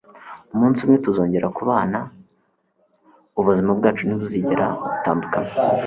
umunsi umwe tuzongera kubana; ubuzima bwacu ntibuzigera butandukana